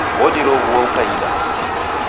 Odiroghua ukaida